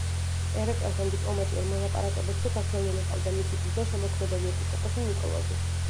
ერეკლესთან დიპლომატიურ მოლაპარაკებებზე გაგზავნილი ჰყავდა მისი ბიძა, შემოქმედელი ეპისკოპოსი ნიკოლოზი.